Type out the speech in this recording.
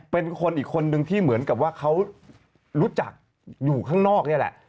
เป็นคนอีกคนนึงที่เหมือนกับว่าเขารู้จักอยู่ข้างนอกนี่แหละ